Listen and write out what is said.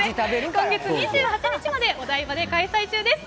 今月２８日までお台場で開催中です。